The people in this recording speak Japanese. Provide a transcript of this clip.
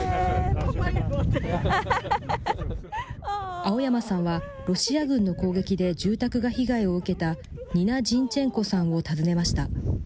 青山さんは、ロシア軍の攻撃で住宅が被害を受けた、ニナ・ジンチェンコさんを訪ねました。